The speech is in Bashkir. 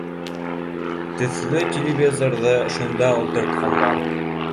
Төҫлө телевизорҙы шунда ултыртҡандар